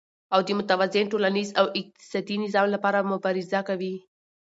او د متوازن ټولنيز او اقتصادي نظام لپاره مبارزه کوي،